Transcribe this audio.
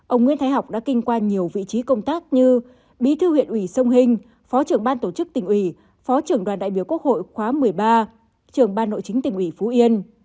ông nguyễn thái học đã kinh qua nhiều vị trí công tác như bí thư huyện ủy sông hình phó trưởng ban tổ chức tỉnh ủy phó trưởng đoàn đại biểu quốc hội khóa một mươi ba trưởng ban nội chính tỉnh ủy phú yên